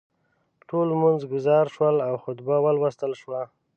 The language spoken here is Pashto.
ټول لمونځ ګزار شول او خطبه ولوستل شوه.